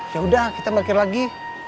yaudah kita markir lagi